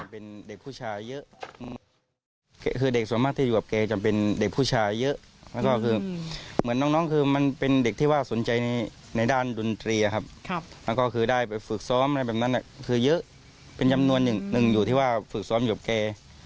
เป็นเด็กผู้ชายเยอะคือเด็กส่วนมากที่อยู่กับแกจะเป็นเด็กผู้ชายเยอะแล้วก็คือเหมือนน้องคือมันเป็นเด็กที่ว่าสนใจในด้านดนตรีครับแล้วก็คือได้ไปฝึกซ้อมอะไรแบบนั้นคือเยอะเป็นจำนวนหนึ่งอยู่ที่ว่าฝึกซ้อมอยู่กับแก